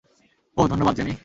ওহ, ধন্যবাদ, জ্যানি।